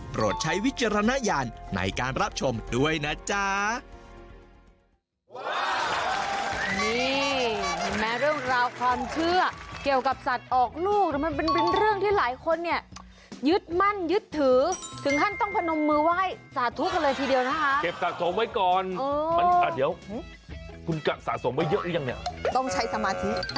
ใช้วิจารณญาณในการรับชมด้วยนะจ๊ะ